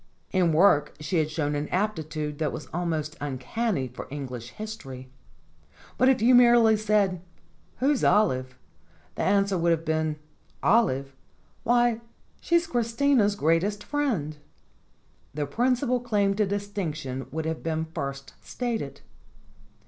In work she had shown an aptitude that was almost uncanny for Eng lish history. But if you had merely said: "Who's Olive?" the answer would have been "Olive? Why, she's Christina's greatest friend." The principal claim to distinction would have been first stated.